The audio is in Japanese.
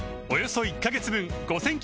およそ１カ月分